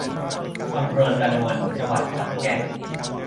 อำเภอกระนวน จังหวัดขอนแก่น